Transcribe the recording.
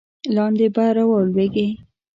لاندې به را ولویږې.